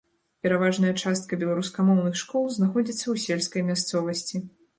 Пераважная частка беларускамоўных школ знаходзіцца ў сельскай мясцовасці.